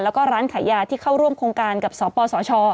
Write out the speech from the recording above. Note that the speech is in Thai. แล้วก็ร้านขายยาที่เข้าร่วมโครงการกับสปสช